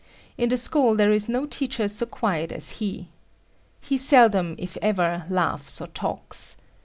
In the school there is no teacher so quiet as he. He seldom, if ever, laughs or talks.